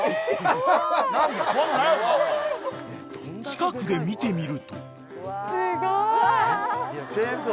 ［近くで見てみると］